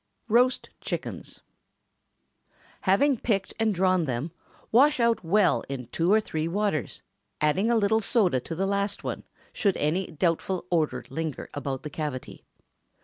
ROAST CHICKENS. Having picked and drawn them, wash out well in two or three waters, adding a little soda to the last but one should any doubtful odor linger about the cavity.